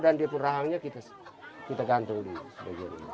dan dia pun rahangnya kita gantung